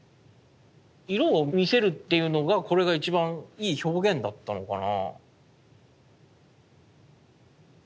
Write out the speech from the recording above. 色を見せるっていうのがこれが一番いい表現だったのかな。